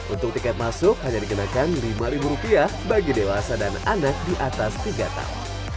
untuk tiket masuk hanya dikenakan rp lima bagi dewasa dan anak di atas tiga tahun